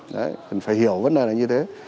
đấy phải hiểu vấn đề là như thế